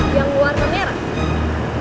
yang warna merah